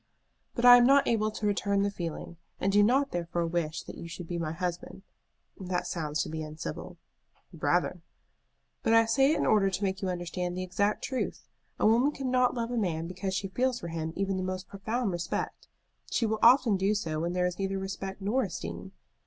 "But I am not able to return the feeling, and do not therefore wish that you should be my husband. That sounds to be uncivil." "Rather." "But I say it in order to make you understand the exact truth. A woman cannot love a man because she feels for him even the most profound respect. She will often do so when there is neither respect nor esteem.